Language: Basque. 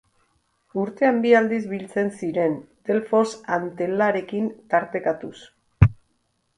Urtean bi aldiz biltzen ziren, Delfos Antelarekin tartekatuz.